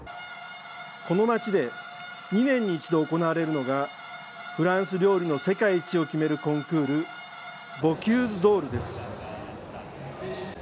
この街で２年に１度行われるのが、フランス料理の世界一を決めるコンクール、ボキューズ・ドールです。